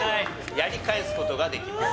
やり返す事ができます。